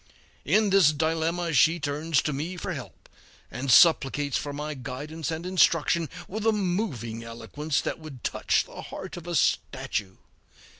In this dilemma she turns to me for help, and supplicates for my guidance and instruction with a moving eloquence that would touch the heart of a statue.